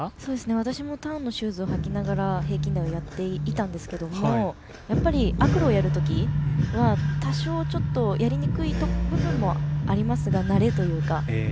私もターンのシューズを履きながら平均台やっていたんですがやっぱりアクロをやるとき多少、やりにくい部分もありますが慣れというか。